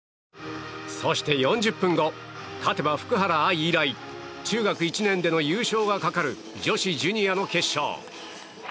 そして４０分後勝てば福原愛以来中学１年での優勝がかかる女子ジュニアの決勝。